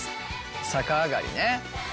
逆上がりね。